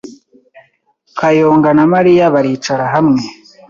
Kayonga na Mariya baricara hamwe.